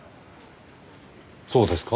そうですか？